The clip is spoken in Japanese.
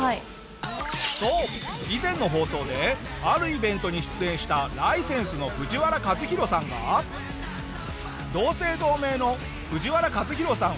そう以前の放送であるイベントに出演したライセンスの藤原一裕さんが同姓同名のフジワラカズヒロさん